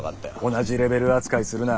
同じレベル扱いするな。